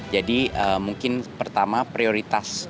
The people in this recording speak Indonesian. jadi mungkin pertama prioritas